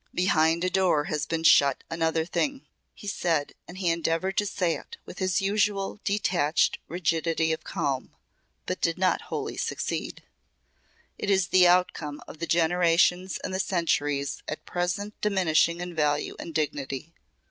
"Behind a door has been shut another thing," he said and he endeavoured to say it with his usual detached rigidity of calm, but did not wholly succeed. "It is the outcome of the generations and the centuries at present diminishing in value and dignity.